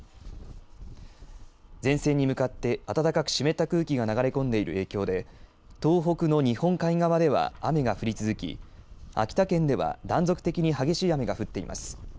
前線に向かって暖かく湿った空気が流れ込んでいる影響で東北の日本海側では雨が降り続き秋田県では断続的に激しい雨が降っています。